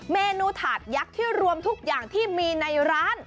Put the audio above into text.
เมนูถาดยักษ์ที่รวมทุกอย่างที่มีในร้าน